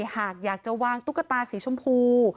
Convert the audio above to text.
หากอยากจะวางตุ๊กตาสีชมพู